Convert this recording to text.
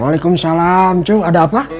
waalaikumsalam cung ada apa